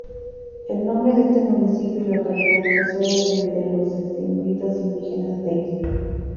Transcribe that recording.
El nombre de este municipio y localidad procede del de los extinguidos indígenas Tapes.